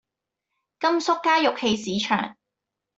甘肅街玉器市場